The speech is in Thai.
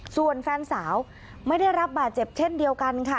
ส่วนแฟนสาวไม่ได้รับบาดเจ็บเช่นเดียวกันค่ะ